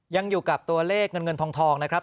ยังอยู่กับตัวเลขเงินเงินทองนะครับ